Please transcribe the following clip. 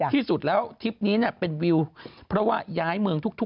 เขาว่าอย่างนึง